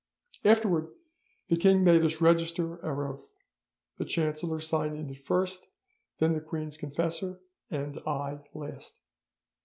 "'Afterwards the king made us register our oath, the chancellor signing it first, then the queen's confessor, and I last.